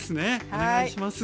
お願いします。